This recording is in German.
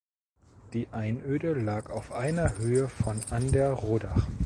Die Einöde lag auf einer Höhe von an der Rodach.